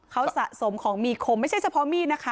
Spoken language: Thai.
เขาสะสมของมีคมไม่ใช่เฉพาะมีดนะคะ